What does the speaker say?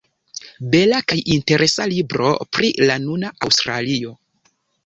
Bela kaj interesa libro pri la nuna Aŭstralio.